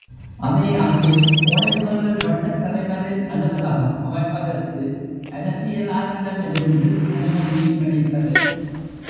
அதே ஆண்டில் கோடைக்கானல் வட்டத் தலைவ ரின் அலுவலகம் அமைப்பதற்கு அரசியலாரிடமிருந்து அனுமதியும் கிடைத்தது.